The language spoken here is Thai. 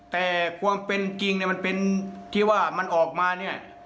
แต่ความเป็นจริงเนี่ยมันเป็นที่ว่ามันออกมาเนี่ย